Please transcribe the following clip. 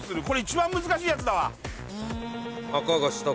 これ一番難しいやつだわ。